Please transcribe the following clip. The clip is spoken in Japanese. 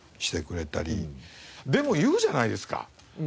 でも言うじゃないですか。